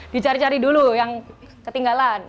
dicari cari dulu yang ketinggalan